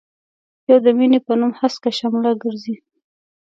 يو د مينې په نوم هسکه شمله ګرزي.